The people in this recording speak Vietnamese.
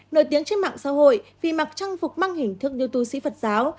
nổi tiếng trên mạng xã hội vì mặc trang phục mang hình thức như tu sĩ phật giáo